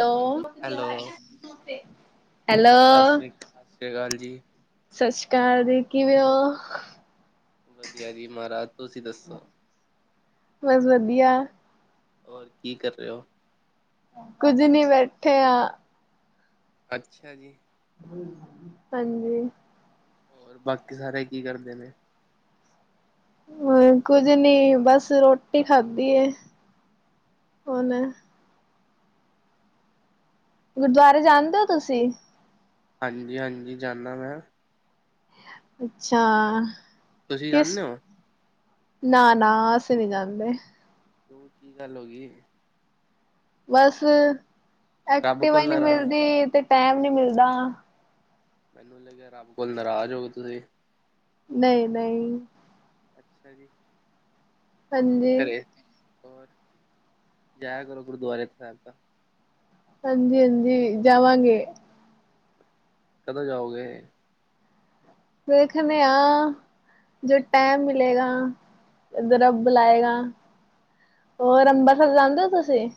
Hello. Hello ਸਤਿ ਸ਼੍ਰੀ ਸਤਿ ਸ਼੍ਰੀ ਅਕਾਲ ਜੀ ਸਸ ਰੀ ਕਾਲ ਜੀ, ਕਿਵੇਂ ਓ। ਵਧੀਆ ਜੀ, ਮਾਹ ਰਾਜ ਤੁਸੀਂ ਦੱਸੋ। ਬਸ ਵਧੀਆ। ਹੋਰ ਕੀ ਕਰ ਰੇ ਔ। ਕੁੱਝ ਨੀ ਬੈਠੇ ਆਂ। ਅੱਛਾ ਜੀ। ਹਾਂਜੀ। ਹੋਰ ਬਾਕੀ ਸਾਰੇ ਕੀ ਕਰਦੇ ਨੇ। ਹੁਣ ਕੁਝ ਨੀ ਬਸ ਰੋਟੀ ਖਾਧੀ ਏ ਹੁਣ। ਗੁਰਦੁਆਰੇ ਜਾਂਦੇ ਓ ਤੁਸੀਂ? ਹਾਂਜੀ ਹਾਂਜੀ ਜਾਣਾ ਮੈਂ। ਅੱਛਾ! ਤੁਸੀਂ ਕਿਸ ਜਾਂਨੇ ਓ? ਨਾ ਨਾ ਅਸੀਂ ਨੀ ਜਾਂਦੇ। ਕਿਉਂ ਕੀ ਗੱਲ ਹੋ ਗਈ। ਬਸ ਰੱਬ ਐਕਟਿਵਾ ਈ ਕੋਲ ਨੀ ਨਾਰਾਜ਼ ਮਿਲਦੀ ਤੇ ਟੈਮ ਨੀ ਮਿਲਦਾ। ਮੈਨੂੰ ਲੱਗਿਆ ਰੱਬ ਕੋਲ ਨਾਰਾਜ਼ ਹੋ ਗਏ ਤੁਸੀਂ। ਨਈ ਨਈ ਅੱਛਾ ਜੀ! ਹੋਰ ਹਾਂਜੀ ਘਰੇ ਹੋਰ। ਜਾਇਆ ਕਰੋ ਗੁਰਦੁਆਰੇ ਸਾਹਿਬ ਤਾਂ। ਹਾਂਜੀ ਹਾਂਜੀ ਜਾਵਾਂਗੇ। ਕਦੋਂ ਜਾਓਗੇ? ਦੇਖ ਦੇ ਆਂ। ਜਦੋਂ ਟਾਈਮ ਮਿਲੇਗਾ। ਜਦੋਂ ਰੱਬ ਬੁਲਾਏਗਾ। ਹੋਰ ਅੰਬਰਸਰ ਜਾਂਦੇ ਓ ਤੁਸੀਂ?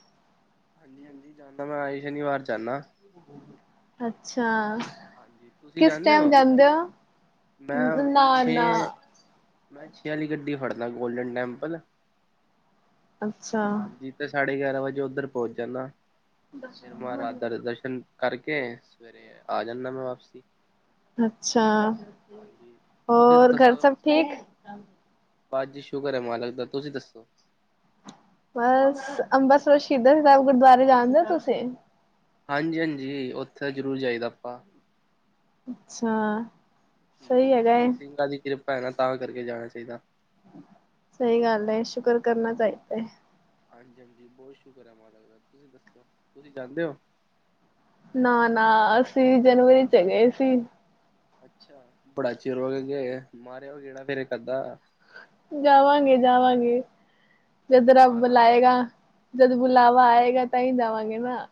ਹਾਂਜੀ ਹਾਂਜੀ ਜਾਣਾ ਮੈਂ ਹਰ ਸ਼ਨੀਵਾਰ ਜਾਣਾ। ਅੱਛਾ! ਹਾਂਜੀ, ਤੁਸੀਂ ਕਿਸ ਜਾਂਦੇ ਟਾਈਮ ਹੋ ਹੋ ਮੈਂ ਨਾ ਨਾ ਛੇ। ਮੈਂ ਛੇ ਵਾਲੀ ਗੱਡੀ ਫੜਦਾ ਗੋਲਡਨ ਟੈਂਪਲ ਅੱਛਾ ਹਾਂਜੀ ਫੇਰ ਸਾਢੇ ਗਿਆਰਾਂ ਵਜੇ ਉੱਧਰ ਪਹੁੰਚ ਜਾਣਾ ਫਿਰ [unintelligible] ਕਰਕੇ ਸਵੇਰੇ ਆ ਜਾਣਾ ਮੈਂ ਵਾਪਸੀ। ਅੱਛਾ ਹਾਂਜੀ ਤੁਸੀ ਤਾਂ ਹੋਰ ਘਰ ਦੱਸੋ। ਸਭ ਠੀਕ ਬਸ ਜੀ ਸ਼ੁਕਰ ਹੈ ਮਾਲਕ ਦਾ ਤੁਸੀਂ ਦੱਸੋ। ਬਸ ਅੰਬਰਸਰ ਸ਼ਹੀਦਾਂ ਸਾਹਿਬ ਗੁਰਦੁਆਰੇ ਜਾਣਦੇ ਹੋ ਤੁਸੀਂ? ਹਾਂਜੀ ਹਾਂਜੀ ਉੱਥੇ ਤਾਂ ਜ਼ਰੂਰ ਜਾਈਦਾ ਆਪਾਂ। ਅੱਛਾ ਸਹੀ ਹੈਗਾ ਏ ਉੱਥੇ [unintelligible] ਤਾਂ ਵੀ ਕਰਕੇ ਜਾਣਾ ਚਾਹੀਦਾ। ਸਹੀ ਗੱਲ ਹੈ। ਸ਼ੁਕਰ ਕਰਨਾ ਚਾਹੀਦਾ ਹੈ। ਹਾਂਜੀ ਹਾਂਜੀ ਬਹੁਤ ਸ਼ੁਕਰ ਹੈ ਮਾਲਕ ਦਾ ਤੁਸੀਂ ਦੱਸੋ ਤੁਸੀਂ ਜਾਂਦੇ ਹੋ। ਨਾ ਨਾ ਅਸੀਂ ਜਨਵਰੀ 'ਚ ਗਏ ਸੀ। ਅੱਛਾ ਬੜਾ ਚਿਰ ਹੋ ਗਇਆ ਮਾਰਿਆ ਆਉ ਫੇਰ ਗੇੜਾ ਇੱਕ ਅੱਧਾ। ਜਾਵਾਂਗੇ ਜਾਵਾਂਗੇ ਜਿਸ ਚਲੋ ਦਿਨ ਰੱਬ ਮਹਾਰਾਜ ਬੁਲਾਇਗਾ ਜਦੌ ਬੁਲਾਵਾ ਆਏਗਾ ਤਾਂ ਹੀ ਜਾਵਾਂਗੇ ਨਾ।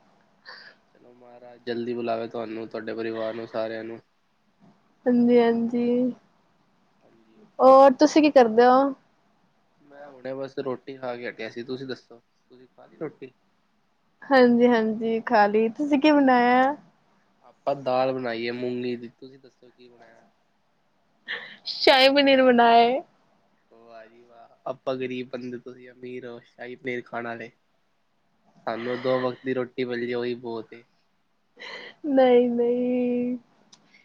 ਚਲੋ ਮਹਾਰਾਜ ਜਲਦੀ ਬੁਲਾਵੇ ਤੁਹਾਨੂੰ ਤੁਹਾਡੇ ਪਰਿਵਾਰ ਨੂੰ ਸਾਰਿਆਂ ਨੂੰ। ਹਾਂਜੀ ਹਾਂਜੀ ਹਾਂਜੀ ਹੋਰ ਤੁਸੀਂ ਕੀ ਕਰਦੇ ਹੋ। ਮੈਂ ਹੁਣੇ ਬਸ ਰੋਟੀ ਖਾ ਕੇ ਹਟਿਆ ਸੀ। ਤੁਸੀਂ ਦੱਸੋ ਤੁਸੀਂ ਖਾ ਲਈ ਰੋਟੀ। ਹਾਂਜੀ ਹਾਂਜੀ ਖਾ ਲਈ ਤੁਸੀਂ ਕਿ ਬਣਾਇਆ। ਆਪਾਂ ਦਾਲ ਬਣਾਈਏ ਮੂੰਗੀ ਦੀ ਤੁਸੀਂ ਦੱਸੋ ਕੀ ਬਣਾਇਆ। ਸ਼ਾਹੀ ਪਨੀਰ ਬਣਾਇਆ ਏ। ਵਾਹ ਜੀ ਵਾਹ ਆਪਾਂ ਗ਼ਰੀਬ ਬੰਦੇ ਤੁਸੀਂ ਅਮੀਰ ਹੋ ਸ਼ਾਹੀ ਪਨੀਰ ਖਾਣ ਵਾਲੇ। ਸਾਨੂੰ ਦੋ ਵਕਤ ਦੀ ਰੋਟੀ ਮਿਲ ਜੇ ਉਹੀ ਬਹੁਤ ਹੈ। ਨਹੀਂ ਨਹੀਂ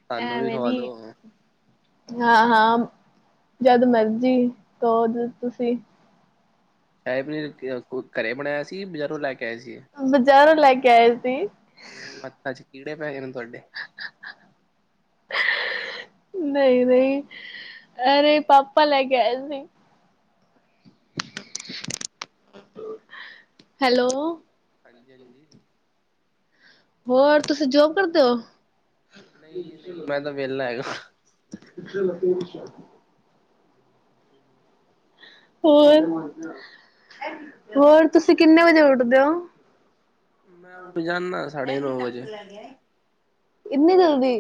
ਸਾਨੂੰ ਵੀ ਐਵੇਂ ਖਵਾ ਨੀ। ਦੋ ਹਾਂ ਹਾਂ ਜਦ ਮਰਜ਼ੀ ਕਹੂੰ ਤੁਸੀਂ। ਸ਼ਾਹੀ ਪਨੀਰ ਘਰੇ ਬਣਾਇਆ ਸੀ। ਕਿ ਬਜ਼ਾਰੋਂ ਲੈ ਕੇ ਆਏ ਸੀ। ਬਜ਼ਾਰੋਂ ਲੈ ਕੇ ਆਏ ਸੀ। [unintelligible] ਕੀੜੇ ਪੈ ਗਏ ਨੇ ਤੁਹਾਡੇ। [unintelligible] ਨਹੀਂ ਨਹੀਂ ਅਰੇ ਪਾਪਾ ਲੈ ਕੇ ਆਏ ਸੀ। ਹੈਲੋ ਹਾਂਜੀ ਹਾਂਜੀ ਹੋਰ ਤੁਸੀਂ ਜੋਬ ਕਰਦੇ ਹੋ? ਨਹੀਂ ਜੀ ਨਹੀਂ ਮੈਂ ਤਾਂ ਵਿਹਲਾ ਹੈਗਾ। [unintelligible] ਹੋਰ ਹੋਰ ਤੁਸੀਂ ਕਿੰਨੇ ਵਜੇ ਉੱਠਦੇ ਹੋ? ਮੈਂ ਉੱਠ ਜਾਨਾ ਸਾਢੇ ਨੌ ਵਜੇ, ਇੰਨੀ ਜਲਦੀ,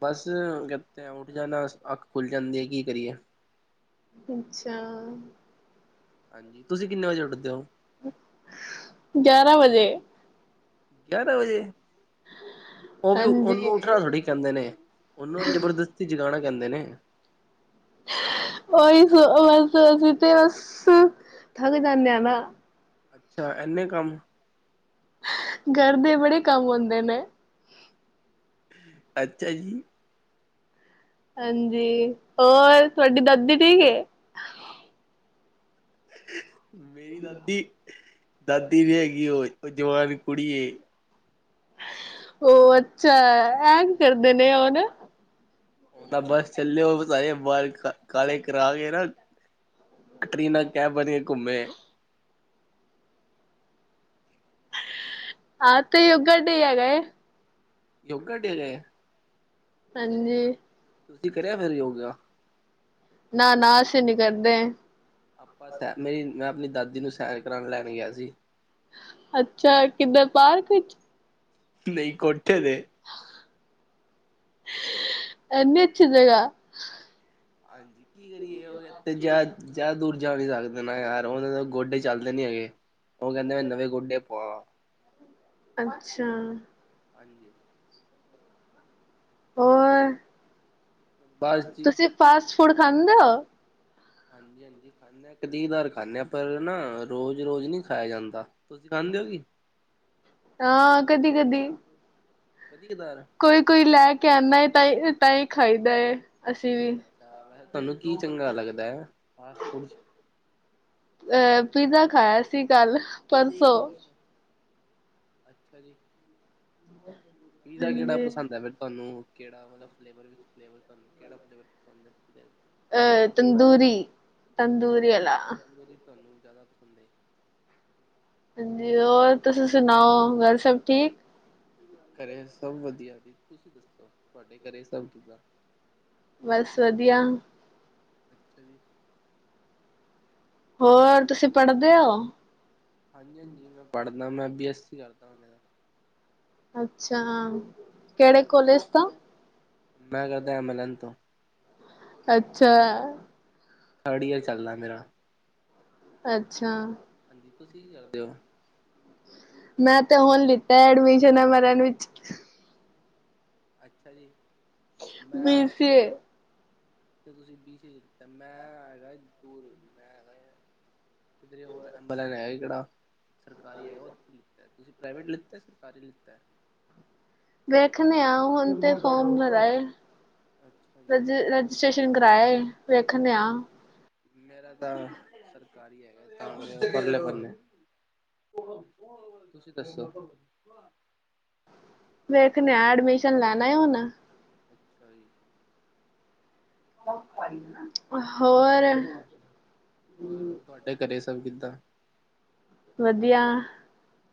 ਬਸ ਕਿਤੇ ਉੱਠ ਜਾਣਾ ਅੱਖ ਖੁੱਲ੍ਹ ਜਾਂਦੀ ਹੈ ਕੀ ਕਰੀਏ ਅੱਛਾ ਹਾਂਜੀ ਤੁਸੀਂ ਕਿੰਨੇ ਵਜੇ ਉੱਠਦੇ ਹੋ ਗਿਆਰਾਂ ਵਜੇ, ਗਿਆਰਾਂ ਵਜੇ, ਉਹ ਵੀ ਹਾਂਜੀ ਉਹਨੂੰ ਉੱਠਣਾ ਥੋੜ੍ਹੀ ਕਹਿੰਦੇ ਨੇ, ਉਹਨੂੰ ਜਬਰਦਸਤੀ ਜਗਾਣਾ ਕਹਿੰਦੇ ਨੇ, ਔਹੀ ਔ ਹੀ ਤੇ ਬਸ ਹੱਥਾਂ ਤੇ ਕਰਨੇ ਆ ਨਾ ਅੱਛਾ ਏਨੇ ਕੰਮ ਘਰ ਦੇ ਬੜੇ ਕੰਮ ਹੁੰਦੇ ਨੇ। ਅੱਛਾ ਜੀ ਹਾਂਜੀ ਹੋਰ ਤੁਹਾਡੀ ਦਾਦੀ ਠੀਕ ਐ? ਮੇਰੀ ਦਾਦੀ ਦਾਦੀ ਵੀ ਹੈਗੀ, ਉਹ ਉਹ ਜਵਾਨ ਕੁੜੀ ਐ ਉਹ ਅੱਛਾ ਐ ਵੀ ਕਰਦੇ ਨੇ ਉਹ ਨਾ ਉਹ ਨਾ ਬਸ ਚੱਲੇ, ਔ ਸਾਰੇ ਬਾਲ ਕਾਲੇ ਕਰਾ ਕੇ ਨਾ। ਕਟਰੀਨਾ ਕੈਫ ਬਨਕੇ ਘੁਮੇ, ਆਹ ਤੇ ਯੋਗਾ ਡੇ ਹੈਗਾ ਹੈ। ਯੋਗਾ ਡੇ ਐ ਅੱਛਾ ਜੀ, ਹਾਂਜੀ ਤੁਸੀਂ ਕਰਿਆ ਕਦੀ ਯੋਗਾ। ਨਾ ਨਾ ਅਸੀ ਨੀ ਕਰਦੇ। ਆਪਾਂ ਸੈਰ, ਨਈ ਮੈਂ ਆਪਣੀ ਦਾਦੀ ਨੂੰ ਸੈਰ ਕਰਉਣ ਲੈਣ ਗਿਆ ਸੀ। ਅੱਛਾ ਕਿੱਧਰ ਪਾਰਕ ਵਿੱਚ ਨਹੀਂ ਕੋਠੇ ਤੇ ਇੰਨੀ ਅੱਛੀ ਜਗਾਹ। ਹਾਂਜੀ, ਕੀ ਕਰੀਏ ਹੋਰ ਇਥ ਜ ਜ਼ਿਆਦਾ ਦੂਰ ਜਾ ਨੀ ਸਕਦੇ ਨਾ ਯਾਰ, ਔਨਾਦੇ ਗੋਡੇ ਚੱਲਦੇ ਨੀ ਹੈਗੇ। ਉਹ ਕਹਿੰਦੇ ਨੇ ਨਵੇਂ ਗੁੱਡੇ ਪਵਾ। ਅੱਛਾ, ਹਾਂਜੀ ਹੋਰ ਬਸ ਜੀ ਤੁਸੀਂ ਫਾਸਟ ਫੂਡ ਖਾਂਦੇ ਹੋ? ਹਾਂਜੀ ਹਾਂਜੀ, ਇੱਕ ਅੱਧੀ ਵਾਰ ਖਾਂਦੇ ਆਂ, ਪਰ ਨਾ ਰੋਜ਼ ਰੋਜ਼ ਨਹੀਂ ਖਾਇਆ ਜਾਂਦਾ ਤੁਸੀਂ ਖਾਂਦੇ ਹੋ ਕਿ। ਹਾਂ ਕਦੀ ਕਦੀ, ਕਦੀ ਕਦਾਰ ਪਰ ਕੋਈ ਲੈ ਕੇ ਆਉਂਦਾ ਹੈ, ਤਾਂ ਤਾਂ ਹੀ ਖਾਈਦਾ ਹੈ ਅਸੀਂ ਵੀ। ਵੈਸੇ ਤੁਹਾਨੂੰ ਕੀ ਚੰਗਾ ਲੱਗਦਾ ਹੈ, ਫਾਸ ਫੂਡ ਚ ਅਹ ਪੀਜ਼ਾ ਖਾਇਆ ਸੀ ਕੱਲ ਪਰਸੋਂ ਅੱਛਾ ਅੱਛਾ ਜੀ, ਹ [unintelligible] ਪੀਜ਼ਾ ਕਿਹੜਾ ਪਸੰਦ ਹੈ ਫੇਰ ਤੁਹਾਨੂੰ ਕਿਹੜਾ ਵਾਲਾ ਫਲੇਵਰ, ਤੁਹਾਨੂੰ ਕਿਹੜਾ ਫਲੇਵਰ ਪਸੰਦ ਏ। ਅ ਤੰਦੂਰੀ ਤੰਦੂਰੀ ਆਂਲਾ, ਅੱਛਾ ਤੰਦੂਰੀ ਤੁਹਾਨੂੰ ਜ਼ਿਆਦਾ ਪਸੰਦ ਹੈ ਹਾਂਜੀ ਹੋਰ ਤੁਸੀਂ ਸੁਣਾਓ ਘਰ ਸਭ ਠੀਕ ਘਰੇਂ ਸਭ ਵਧੀਆਂ ਜੀ, ਤੁਸੀਂ ਦੱਸੋਂ ਤੁਹਾਡੇ ਘਰੇਂ ਸਭ ਕਿੱਦਾਂ ਬਸ ਵਧੀਆ ਅੱਛਾ ਜੀ ਹੋਰ ਤੁਸੀਂ ਪੜ੍ਹਦੇ ਹੋ ਹਾਂਜੀ ਹਾਂਜੀ ਮੈਂ ਪੜ੍ਹਨਾ, ਮੈਂ ਬੀ ਐੱਸ ਸੀ ਕਰਦਾਂ ਪਯਾ ਅੱਛਾ ਹਾਂਜੀ। ਕਿਹੜੇ ਕੋਲੇਜ ਤੋਂ ਮੈਂ ਕਰਦਾਂ ਐਮ ਅਲ ਐਨ ਤੋਂ ਅੱਛਾ ਥਰਡ ਈਅਰ ਚੱਲਦਾ ਮੇਰਾ। ਅੱਛਾ। ਹਾਂ ਜੀ, ਤੁਸੀਂ ਕੀ ਕਰਦੇ ਹੋ? ਮੈਂ ਤੇ ਹੁਣ ਲਿੱਤਾ ਐ ਐਡਮਿਸ਼ਨ ਐੱਮ ਏ ਰੱਨ ਵਿੱਚ। ਅੱਛਾ ਜੀ। ਮੈਂ ਫੇਰ। ਤੁਸੀਂ ਵੀ ਇੱਥੇ ਆ ਮੈਂ ਹੈਗਾ ਦੂਰ ਮੈਂ ਹੈਗਾ। ਕਿੱਧਰੇ ਹੋਰ ਐਂਬੂਲੈਂਸ ਹੈਗੀ ਆ ਕਿਹੜੀ? ਸਰਕਾਰੀ ਹੈ ਉਹ ਲਿੱਤੀ ਆ ਤੁਸੀਂ ਪ੍ਰਾਈਵੇਟ ਲਿੱਤੀ ਆ ਸਰਕਾਰੀ ਲਿੱਤੀ ਹੈ। ਵੇਖਦੇ ਆਂ ਹੁਣ ਤੇ ਫੋਨ ਪਰ ਆਏਂ। ਅੱਛਾ ਜੀ ਰਜਿਸਟ੍ਰੇਸ਼ਨ ਕਰਵਾ ਕੇ ਵੇਖਦੇ ਆਂ। ਮੇਰਾ ਤਾਂ ਸਰਕਾਰੀ ਹੈਗਾ। [unintelligible] ਅਗਲੇ ਬੰਨੇ ਤੁਸੀਂ ਦੱਸੋ ਵੇਖਨੇ ਆ ਐਡਮਿਸ਼ਨ ਲੈਣਾਂ ਏ ਹੁਣ ਅੱਛਾ ਜੀ ਹੋਰ ਹੋਰ ਤੁਵਾਡੇ ਘਰੇਂ ਸਭ ਕਿੱਦਾਂ? ਵਧੀਆਂ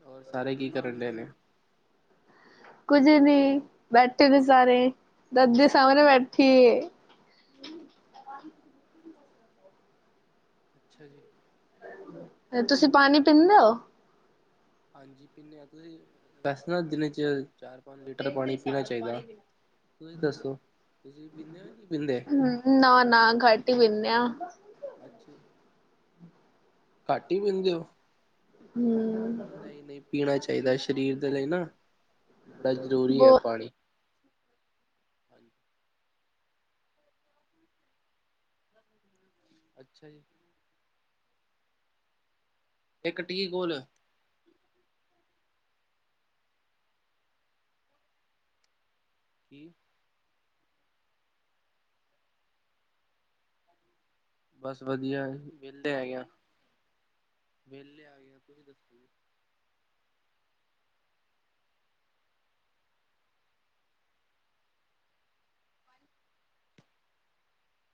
ਔਰ ਸਾਰੇ ਕੀ ਕਰਨ ਡਏ ਨੇ ਕੁੱਝ ਨੀ, ਬੈਠੇਂ ਨੇ ਸਾਰੇ, ਦਾਦੀ ਸਾਹਮਨੇ ਬੈਠੀਂ ਏ ਅੱਛਾ ਜੀ ਤੁਸੀਂ ਪਾਨੀ ਪੀਂਦੇ ਓ? ਹਾਂਜੀ ਪੀਨੇਂ ਆ ਤੁਸੀਂ ਵੈਸੇ ਨਾ ਦਿਨ ਚ ਚਾਰ-ਪੰਜ ਲੀਟਰ ਪਾਨੀ ਪੀਨਾ ਚਾਇਦਾ ਤੁਸੀਂ ਦੱਸੋ ਤੁਸੀਂ ਪੀਂਦੇ ਓ ਨਈ ਪੀਂਦੇ? ਨਾ- ਨਾ ਘੱਟ ਹੀ ਪੀਨੇ ਆਂ। ਅੱਛਾ ਘੱਟ ਇ ਪੀਂਦੇ ਓ? [inaudible] ਨਈ ਨਈ ਪੀਨਾ ਚਾਇਦਾਂ ਸ਼ਰੀਰ ਦੇ ਲਈ ਨਾ ਬੜਾਂ ਜ਼ਰੂਰੀ ਅ ਬਹੁ ਪਾਨੀ। ਅੱਛਾ ਜੀ ਇੱਕ ਟੀ ਕੋਲ ਕੀਂ? ਬਸ ਵਧੀਆਂ ਵੇਲੇ ਹੈਗੇ ਆ ਵੇਲ਼ੇ ਆ ਗਿਆਂ ਤੁਸੀਂ ਦੱਸੋ